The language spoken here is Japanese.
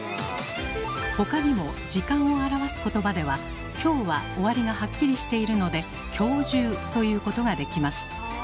他にも時間を表す言葉では「今日」は終わりがハッキリしているので「今日中」と言うことができます。